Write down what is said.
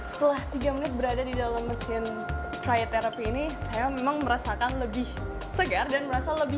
setelah tiga menit berada di dalam